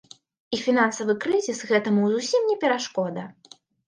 І фінансавы крызіс гэтаму зусім не перашкода.